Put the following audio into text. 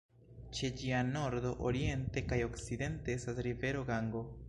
Ĉe ĝia nordo, oriente kaj okcidente estas rivero Gango.